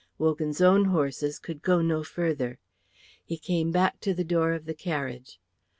Wogan's own horses could go no further. He came back to the door of the carriage.